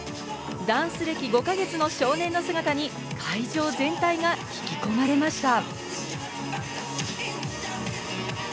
ダンス歴５か月の少年の姿に、会場全体が引き込まれました。